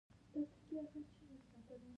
جګړه روغتونونه ویجاړوي